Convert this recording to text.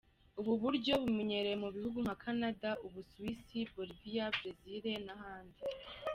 Ubu buryo bumenyerewe mu bihugu nka Canada, u Busuwisi, Bolivia, Brazil n’ahandi.